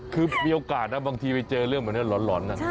คือมีโอกาสบางทีไปเจอเรื่องมันเรื่องร้อนน่ะ